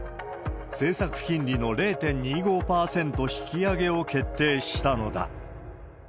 政策金利の０．２５％引き上げを決定したのだ。